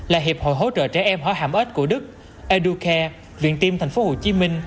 là hiệp hội hỗ trợ trẻ em hóa hạm ếch của đức educare viện tiêm tp hcm